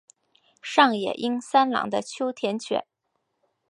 上野英三郎的秋田犬。